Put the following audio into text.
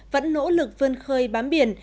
vẫn nỗ lực vươn khơi bám biển